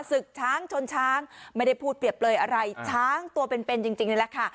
ศึกช้างชนช้างไม่ได้พูดเปรียบเปลยอะไรช้างตัวเป็นเป็นจริงเลยล่ะค่ะ